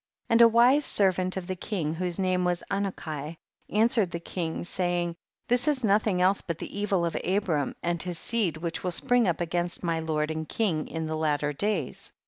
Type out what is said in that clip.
52. And a wise servant of the king, whose name was Anuki, an swered the king, saying, this is noth ing else but the evil of Abram and his seed which will spring up against my lord and king in the latter days.